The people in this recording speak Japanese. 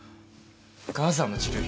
母さんの治療費